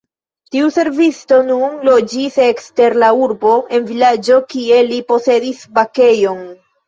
Tiu servisto nun loĝis ekster la urbo en vilaĝo, kie li posedis bakejon.